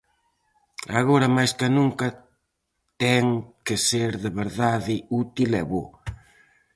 Agora máis que nunca ten que ser de verdade útil e bo.